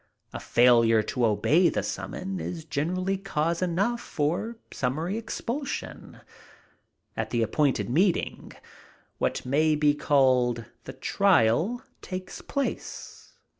A failure to obey the summons is generally cause enough for summary expulsion. At the appointed meeting, what may be called the trial, takes place.